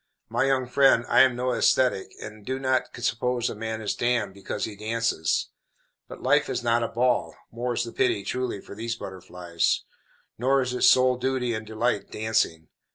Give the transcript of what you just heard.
My young friend, I am no ascetic, and do not suppose a man is damned because he dances. But life is not a ball (more's the pity, truly, for these butterflies), nor is its sole duty and delight dancing.